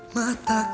aku akan pergi